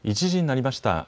１時になりました。